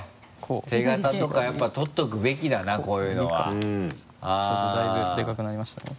手形とかやっぱ取っておくべきだなこういうのはそうですねだいぶでかくなりましたね。